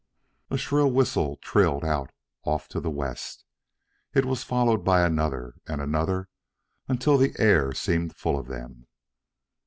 A shrill whistle trilled out off to the west. It was followed by another and another, until the air seemed full of them.